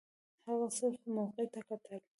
هغه صرف موقع ته کتل.